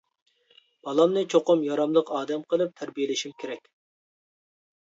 بالامنى چوقۇم ياراملىق ئادەم قىلىپ تەربىيەلىشىم كېرەك.